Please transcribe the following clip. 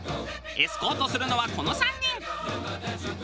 エスコートするのはこの３人。